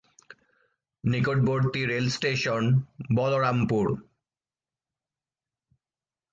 নিকটবর্তী রেলস্টেশন বলরামপুর।